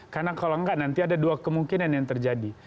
karena kalau enggak nanti ada dua kemungkinan yang terjadi